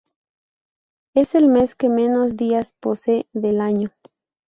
Es el mes que menos días posee del año.